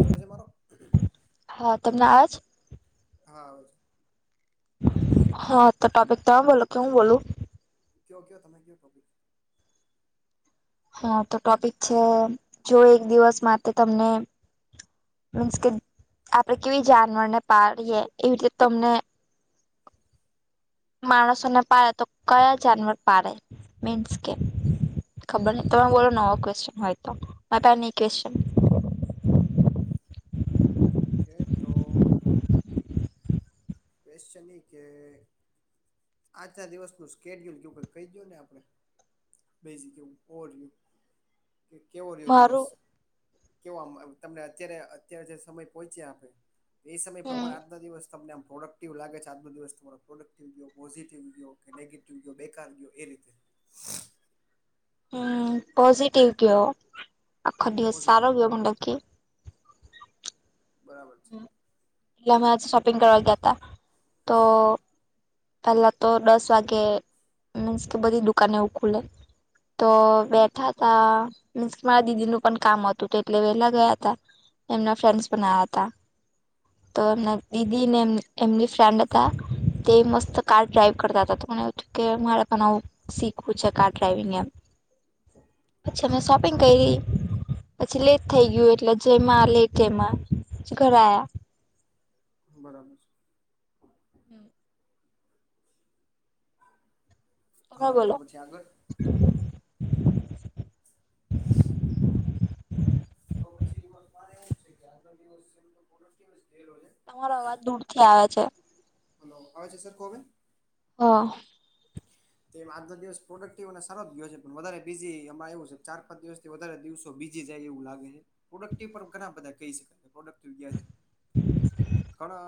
પછી મારો હા તમને આવે છે હા આવે છે. હા, તો ટોપિક તમે બોલો કે હું બોલું કયો કયો તમે કહયો ટોપિક હા તો ટોપિક છે જો એક દિવસ માટે તમને મીન્સ કે આપડે કેવી જાનવરને પાડીએ એવી રીતે તમને માણસને પાડે તો કયા જાનવર પાડે મીન્સ કે ખબર નહિ તમે બોલો નવો ક્વેશ્ચન હોય તો મા ની ક્વેશ્ચન ઓકે તો ક્વેશ્ચની કે આજના દિવસ નું સ્કેડ્યુલ કેવું કઈ કહી દયો ને આપણે [inaudible] [inaudible] રહ્યું કે કેવો રહ્યો દિવસ મારું કેવા તમને અત્યારે અત્યારે જે સમય પહોંચ્યા આપે, એ સમય હમ પ્રમાણે આજના દિવસ સપનામ પ્રોડક્ટિવ લાગે છે, આજ બધ દિવસ તમારો પ્રોડક્ટિવ ગયો, પોઝિટિવ ગયો કે નેગેટિવ ગયો બેકાર ગયો એ રીતે હમ્મ પોઝીટીવ કયો આખ દીવસ સાર પોઝિટિવ ગયો. કયો મું ડકી બરાબર છે એટલે આજ અમે શોપિંગ કરવા ગયા હતા તો પેલા તો દસ વાગે, મીન્સ કે બધી દુકા ને એવું ખુલે તો બેઠા તા મીન્સ કે મારા દીદીનું પણ કામ હતું એટલે વેલા ગયા હતા. એમના ફ્રેન્ડસ પણ આયા હતા તો એમના દીદી ને એ એમની ફ્રેન્ડ હતા તે મસ્ત તો કાર ડ્રાાઈવ કરતા હતા. તો મને એવું થું કે મારે પણ આવું શીખવું છે કાર ડ્રાાઈવિંગ એમ અચ્છા મેં હા સ શોપિંગ કરી પછી લેટ થઈ ગયું એટલે જમાં લેટ એમાં પ ઘરે આયા બરાબર છે હમ્મ તમે હા તો બોલો પછી આગળ તો પછી દિવસ મારે એવું છે કે આજનો દિવસ તો [unintelligible] થેલો છે તમારો અવાજ દૂર થી આવે છે હલો આવે છે સરકો હવે હ તેમ આજનો દિવસ પ્રોડક્ટિવ અને સારો જ ગયો છે પણ વધારે બીઝી આમાં એવું છે ચાર દિવસથી વધારે દિવસો બીજી જાય એવું લાગે છે પ્રોડક્ટીવ ઘણા બધા કહી શકાય પ્રોડક્ટ [unintelligible] ધડા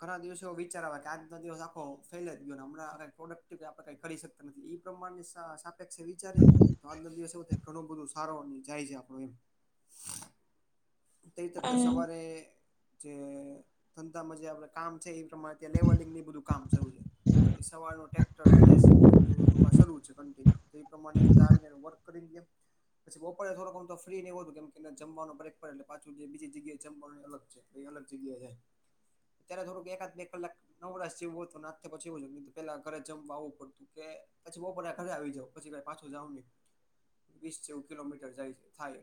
ઘણા દિવસો એવ વિચાર આવે કે આજના દિવસ આખો ફેલે જ ગયો ને હમણા આ પ્રોડક્ટીવ આપણેે કઈ ખરીદ કરી શકતા નથી એ પ્રમાણે સાપેક્ષે વિચારીએ ને તો આજનો દિવસ એવું થાય ઘણું બધું સારો જાય છે આપણું એમ તે તતે હમ સવારે જે ધંધામાં જે આપણે કામ છે એ ત્યા લેવલિંગ બધું કામ શરૂું છે સવારનો ટ્રેક ટ્રેક ને જેસીબી ને બધું અમારે ચફલું છે કૉંટીનીયુ તતો તે પ્રમાણે આવી વર્ક કરી ગ્યા પછી બપોરે થોડો ગણો તો ફ્રી ને એ હો કેમકે જમવાનું બ્રેક એટલે પાછું જે બીજી જગ્યાએ છેપ એ અલગ છે ભાઈ અલગ જગ્યા જાય ત્યારે થોડુંક એકાદ બે કલાક નવરાશ જેવું હો હતું ના પછી એવું છે તો પેલા ઘરે જમવા આવવું પડતું કે પછી બપોરે આ ઘરે આવી જાવ પછી કઈ પાછું જાવ નહી વીસ જેવું કિલોમીટર જાય થાય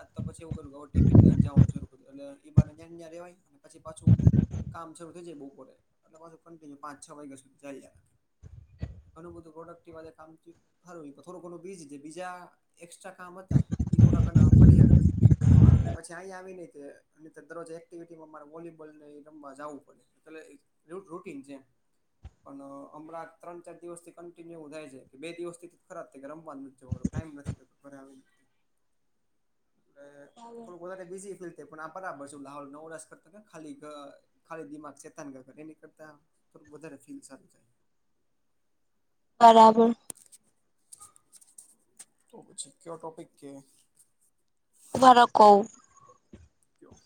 અ તો પછી એવુ ટિફિન લઈને જવાનું શરૂ કરું એટલે એં બહાને લતેન ત્યાં રહેવાય અને પછી પાછું કામ શરૂ થઇ જાય બપોરે એટલે પાછું કન્ટિન્યુ પાચ છ વાગ્યા સુધી ચાલયા કરે ઘણું બધૂ પ્રોડક્ટવાધે કામ થયું સારું થોડું ઘણું બીજ બીજા એસ્ટ્રા કામ હતા એ થોડા ઘણા પડ્યા રિયા અને પછી અહીંયા આવી નહી તે દરરોજ એક્ટિવિટી મારે વોલીબોલ રમવા જવું પડે એ રૂટીન છે પણ હમણાં ત્રણ ચાર દિવસ થી કન્ટિન્યુ થાય છે કે બે દિવસ થી ખરાબ થાય કે રમવાનું નથ જવાનુ ટાઈમ નથી થતો ઘરે આવી. એટલે થોડું વધારે બીઝી. તે પણ આ બરાબર છે હાવ નવરા રસ કરતા ખાલી ખાલી દિમાગ ચેતાન કા ઘર એની કરતા. થોડુંક વધારે ફીલ સારું થાય. બરાબર. તો પછી કયો ટોપિક કે. ઊભા રો કવ. ક્યો.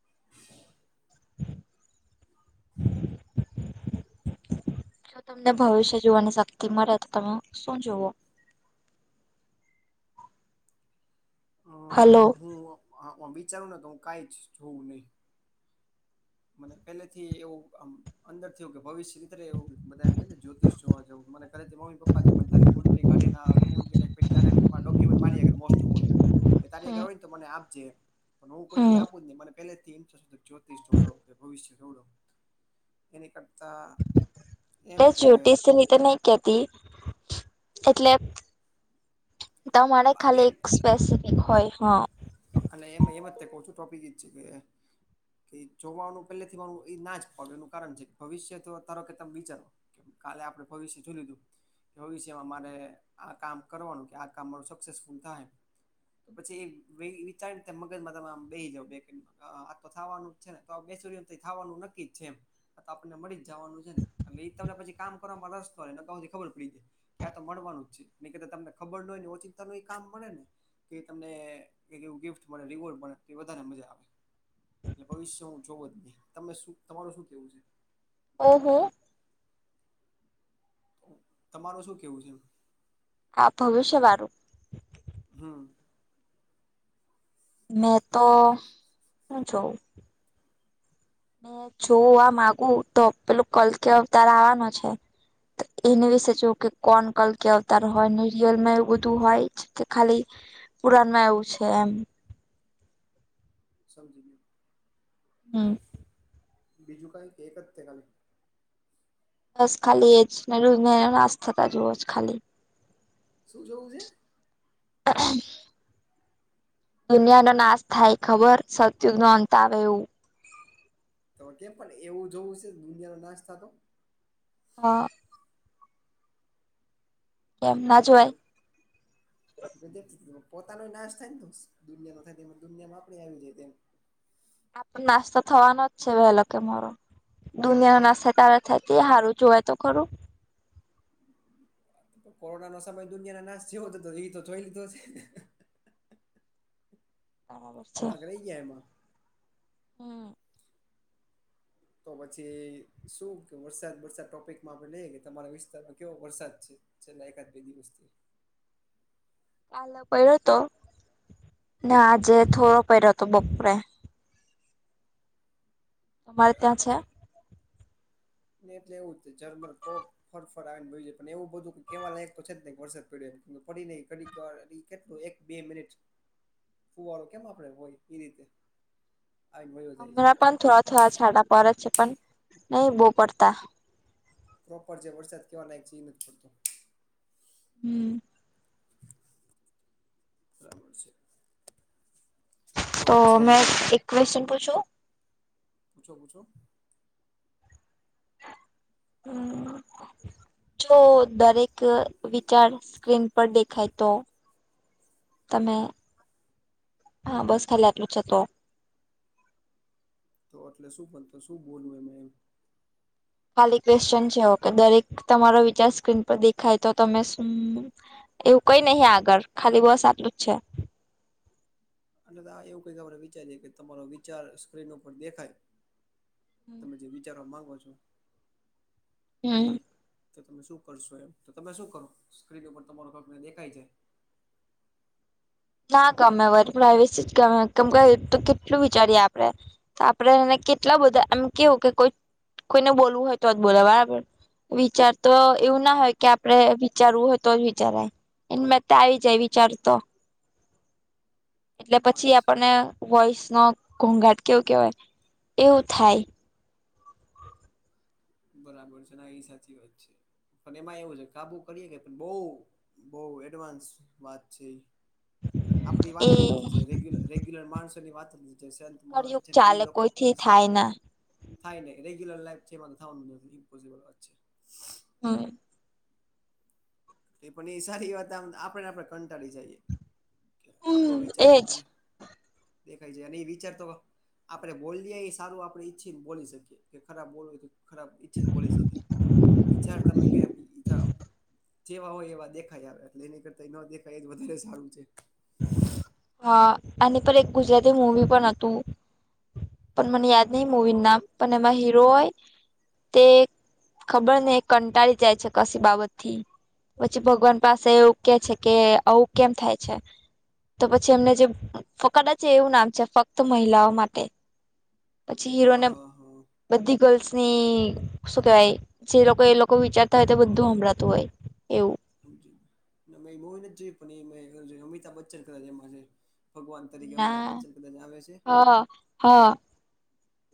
[unintelligible] જો તમને ભવિષ્ય જોવાની શક્તિ મળે તો તમે શું જોવો. હલો અ હું વિચારું ને તો હું કઈ જ જોઉ નહી. મને પેલે થી એવું આમ. અંદરથી એવું કે ભવિષ્ય રીતે એવું બધા એમ કેને જ્યોતિષ જોવા જવું મને ઘરેથી મમ્મી પપ્પા કે મને તારી કુંડલી કાઢી ને આપ. ફોન કે કંઈક પડી તારા આગળ મારા ડોક્યુમેન્ટ મારી આગળ મોસ્ટોપ હોય. તારી આગળ હમ હોય ને તો મને આપજે એમ પણ હું કોઈ દી હમ આપું જ નહી મને પહેલેથી જ ઇન્ટ્રેસ્ટ નઈ આમ જ્યોતિષ જોવડાવ. ભવિષ્ય જોવડાવું એની કરતા. એમ એ કે જ્યોતિષની તો નહી કેતી એટલે. તમારે આ એટલે ખાલી એક સ્પેસિફિક હોય હ. અને એમ એમાં જ તે કઉં છું ટોપિક ઈ જ છે કે. કે જોવાનું પહેલે થી મારું એ ના ફાવે એનું કારણ છે ભવિષ્ય તો ધારો કે તમે વિચારો. કે કાલે આપડે ભવિષ્ય જોઈ લીધું. ભવિષ્યમાં મારે આ કામ કરવાનું કે આ કામ મારું સક્સેસફુલ થાય. તો પછી એ. હવે ઈ વિચારીને તમે મગજમાં તમે આમ બેહી જાવ બે તો આ થવાનું છે ને બેસી રયો તો થવા નું નથી. નક્કી જ છે એમ. આ તો આપણને મળી જ જવાનું છે ને એટલે તમને પછી કામ કરવાવામાં રસ હોય ને અગાઉથી ખબર પડી જાય. કે આ તો મળવાનું જ છે ન કે તમને ખબર ન હોય ને ઓચિંતાનું એ કામ મળે ને કે તમને. કઈક એવું ગિફ્ટ મળે રિવોર્ડ મળે એ વધારે મજા આવે. એટલે ભવિષ્ય હું જોવ જ નહીં તમે શું તમારું શું કેવું છે. ઓહો. તમારુ શું કેવું છે એમ. હા ભવિષ્યવાળું. હમ્મ. મેં તો હું જોઉં. મે જોવું માગું તો પેલું કલ્કી અવતાર આવવાનો છે. એને વિશે હા જોવ કે. કોન કલ્કી અવતાર હોય ને રિયલ માં એવું બધું હોય કે ખાલી. પુરાણમાં એવું છે એમ. સમજી ગયો. હમ. બીજું કઈ એક જ તે ખાલી. બસ ખાલી એ જ ને યુગ ને નાશ થતા જોવો છે ખાલી. શું જોવું છે. [unintelligible] દુનિયા નો નાશ થાય ખબર સતયુગ નો અંત આવે એવું. તો કેમ પણ એવું જોવું છે દુનિયાનો નાશ થતો. હા કેમ ના જોવાય ગજબ પોતાનો એ નાશ થાય ને તો દુનિયા નો થાય દુનિયામાં આપડેય આવી જાય એમ. આપડો નાશ તો થવાનો જ છે વેલો કે મારો. દુનિયા નો નાશ અતારે થાય તે હારું જોવાય તો ખરું. કોરોના નો સમય દુનિયા નાશ જેવો જ હતો એ તો જોઈ લીધો છે. બરાબર છે [unintelligible] હમ આમાં [unintelligible] તો પછી શું કે વરસાદ વરસાદ ટોપિકમાં આપણે લઈએ કે તમારા વિસ્તારમાં કેવો વરસાદ છે? ચાલઈ એકત બે દિવસથી. કાલે પડ્યો તો ને આજે થોડો પડ્યો હતો બપોરે. તમારે ત્યાં છે? એટલે એવું ઝરમર કોક ફર ફર આવી ને ભ જાય પણ એવું બધું કેવા લાયક તો છે જ નને વરસાદ પડ્યો એમ કે પડી નહી ઘડી. કેટલું એક બે મિનિટ [inaudible] ફુંવારુ વાળો કેમ આપડે હોય એ રીતે આવીને વયો જાય છે હમણાં પણ થોડા થોડા છાડા પરત છે પણ નહી બહુ પડતા. પ્રોપર જે વરસાદ કહેવાના એક જ નથી જ પડતો. હમ્મ. બરાબર છે. તો મેં એક ક્વેશ્ચન પૂછું! પૂછો પૂછો હમ [unintelligible] જો દરેક વિચાર સ્ક્રીન પર દેખાય તો! તમે હા બસ ખાલી આટલું છે તો તો એટલે શું બનતો શું બોલવું એ મે એમ. ખાલી ક્વેશ્ચન છે ઓકે દરેક તમારો વિચાર સ્ક્રીન પર દેખાય તો તમે શું? એવું કઈ નહ આગળ ખાલી બસ આટલું જ છે. અને એવું કઈક આપડે વિચારીએ કે તમારો વિચાર સ્ક્રીન ઉપર દેખાય તમે જે વિચારવા માંગો છો હમ ઈ તો તમે શું કરશો એમ તો તમે શું કરો સ્ક્રીનેર તમારો પગને દેખાય જાય. ના ગમે વ પ્રઇવેસી જ ગમે કેમ ક તો કેટલું વિચારીએ આપડે. તો આપડે એને કેટલા બધા એમ કેવું કે કોઈ કોઈને બોલવું હોય તો જ બોલે બરાબર. વિચાર તો એવું ના હોય કે આપડણે વિચારવું હોય તો જ વિચારાય. એને બ આવી જાય વિચારતો એટલે હોય પછી છે આપણને વોઇસ નો ઘોંઘાટ કેવું કેવાય એવું થાય. બરાબર છે ના એ સાચી વાત છે. પણ એમાં એવું છે કાબુ કરીએે કે પણ બહ બહ એડવાન્સ વાત છે એ. આપણી એ વાત જ નથી રેગ્યુલર માણસોની વાત જ નથી. મહ કળયુગ છેને એ ચાલે લોકો કોઈથી કરી શકે. થાય ના થાય નહી રેગ્યુલર લાઈફ છે એમાં થવાનું નથી ઇમ્પોસિબલ વાત છે. હા. એ પણ એ સારી વાત આપણેેને આપડણે કંટાળી જઈએ. કે આપડો હમ વિચાર એજ કોકને દેખાય જાય ન વિચાર તો આપણે બોલીએ એ સારું આપડણે ઈચ્છી ને બોલી શકીએ કે ખરાબ બોલવય ખરાબ ઈચ્છીને બોલી શકે વિચાર તમે કે જેવા હોય એવા દેખાય આવે એટલે એની કરતા ન દેખાય એ જ વધારે સારું છે‌. હા આની પર એક ગુજરાતી મુવી પણ હતું. પણ મને યાદ નહીં મુવીન નામ પણ એમાં હીરો હોય તે ખબર નય કંટાળી જાય છે કશી બાબતથી પછી ભગવાન પાસે એવું કે છે કે આવું કેમ થાય છે? તો પછી એમને જે કડાચ છે એવું નામ છે ફક્ત મહિલાઓ માટે. પછી હા હીરોને હા હા બધી ગર્લ્સની શું કેહેવાય? જે લોકો એ લોકો વિચારતા હોય તો બધું હંભળાતું હોય એવું. હા જોયું મેં મુવી નથ જોયું પણ એ મે હીરો જોયો અમિતાભ બચ્ચન કદાચ એમાં છે. ભગવાન તરીકે એવું અમિતાભ ના બચ્ચન પેલા જ આવે છે. હા હા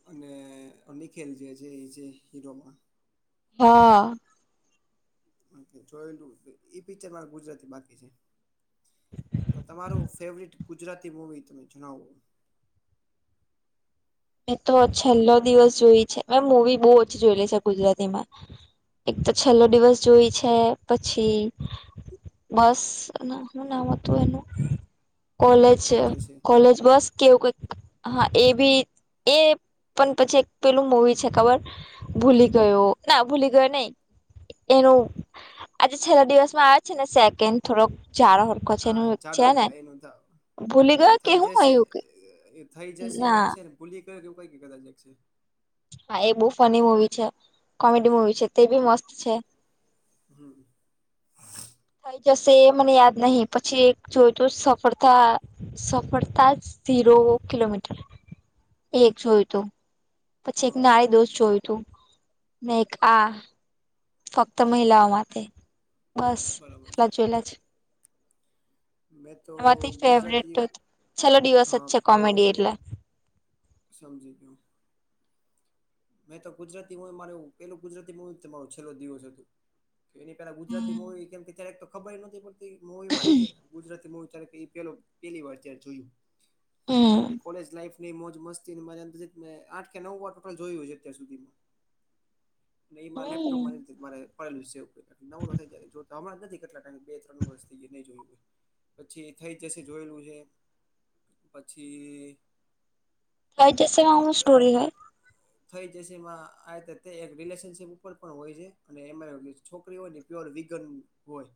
અને [unintelligible] એ જે છે એ જે હીરોમાં હા જોયલું [unintelligible] એ પિક્ચર મારા ગુજરાતી બાકી છે તો તમારું ફેવરિટ ગુજરાતી મૂવી તમે જણાવો? મે તો છેલ્લો દિવસ જોઈ છે મેં મૂવી બો ઓછી જોઈલી છે ગુજરાતીમાં એક તો છેલ્લો દિવસ જોઈ છે પછી બસ ના સુ નામ હતું એનું કોલેજ થઈ જશે કોલેજ બસ કેવુ કંઈ હા એ ભી એ પણ પછી એક પેલું મુવી છે ખબર ભૂલી ગયો ના ભૂલી ગયો નઈ એનું આજે છેલ્લા દિવસમાં આવે છેને સેકન્ડ થોડોક ઝારો હા ઝાડો એનું થ ભૂલી ગયો કે થઈ હું જશે એવું કે અઅએ થઈ જશે ના એક છે ને ભૂલી ગયો એ કંઈ કદાચ એક છે હા એ બહુ ફની મુવી છે કોમેડી મુવી છે તે બી મસ્ત છે હમ્મ થઈ જશે એ મને યાદ નહી પછી એક જોયતું સફળતા સફળતા જ ઝીરો કિલોમીટર ઈ એક જોયતુ. પછી એક હા નાડી દોશ જોયુંતું ને‌ એક આ ફક્ત મહિલાઓ માટે બસ આટલા જોયેલા છે. મેં તો એમાંથી ફેવરેટ ગુજરાતી તો એ છેલ્લો દિવસ જ હા છે કોમેડી એટલે સમજી ગ્યો. મેં તો ગુજરાતી મારે પેલું ગુજરાતી મુવી તો મારૂ છેલ્લો દિવસ હતુ. એની પેલા ગુજરાતી હમ મુવી કેમ કે ત્યારેક તો ખબરેય નોતી પડતી મુવીમા તી ગુજરાતી મુવી ત એ પ પેલીવાર ત્યારે જોયું હમ ને કોલેજ લાઈફ મોજ મસ્તીમા મને એમ છેકે આઠ કે નવ વાર કૂલ જોયું હશે અત્યાર સુધીમાં ને ઇમા હમ લેપટોપમા જોયુ મારે પડેલું સે નવરો થાય ક્યારેક જોતો હમણાં નથી કેટલા ટાઇમથી બે ત્રણ વર્ષ થઈ નહી જોયું હોય પછી થઈ જશે જોયેલું હે પછી થ‌ઇ જશેમા હુ ફક્ત સ્ટોરી હે થઈ જશે એમાં આ તે એક રિલેશનશીપ ઉપર પણ હોય છે અને એમાં છોકરી હોય ને પ્યોર વિગન હોય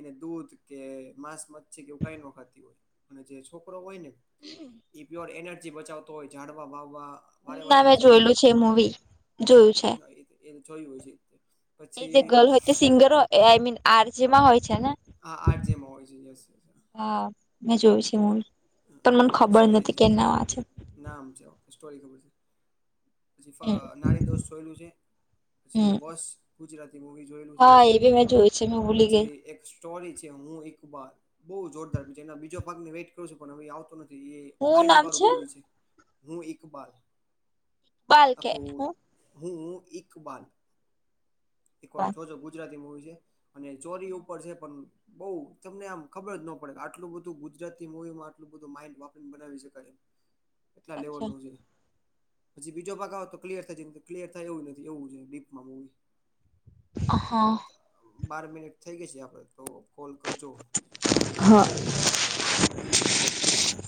એને દૂધ કે માંસ મચ્છી કે એવું કાંઈ ન ખાતી હોય અને જે છોકરો હોયને ઈ પ્યોર એનર્જી બચાવતો હોય ઝાડવા વાવવા વારે ના વારે મેં જે જોયેલું છે મુવી જોયું છે. હા, એ એ જોયું હશે એ જે ગર્લ હોય તે સિંગર હોય આઈ મીન આર જે માં હોય છે ને હા આર જે માં હોય છે યસ યસ હા મેં જોયું છે એ મુવી પણ મને ખબર નથી કે પછી નામ આ છે નામ છે ઓકે સ્ટોરી ખબર છે પછી હમ નાડી દોષ જોયેલું છે પછી હમ વશ ગુજરાતી મુવી જોયેલું છે હા એ બી મેં જોયું છે મેં ભૂલી ગઈ પછી એક શ [unintelligible] છે હું એકબાલ બઉ જોરદાર! બીજું એના બીજો ભાગને વેઇટ કરું છું પણ હવે આવતો નથી એ હું માઈન્ડ નામ વાળું મૂવી છે હું એક બાલ બાલ કે આખું હું હું એક બાલ એક વાર બાલ જોજો ગુજરાતી મુવી છે, અને ચોરી ઉપર છે, પણ બઉ તમને આમ ખબર જ ન પડે આટલું બધું ગુજરાતી મુૂવી માં આટલું બધું માઇન્ડપંગ બનાવી શકાય એ કેટલા લેવલ અચ્છા નું છે પછી બીજો ભાગ આવે તો કલિયર થાય જેમ કે ક્લિયર થાય એવું નથી એવું છે, ડીપમાં મુવી અહ બાર મિનિટ થઈ ગઈ છે, આપડે તો કોલ કરજો બીજો હ. [inaudible]